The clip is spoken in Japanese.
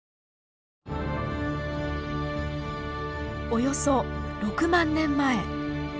およそ６万年前。